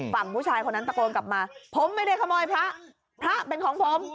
ผู้ชายคนนั้นตะโกนกลับมาผมไม่ได้ขโมยพระพระเป็นของผม